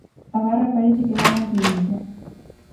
A barra parece que dá máis ledicia.